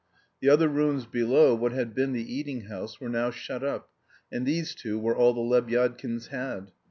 The other rooms below what had been the eating house were now shut up, and these two were all the Lebyadkins had.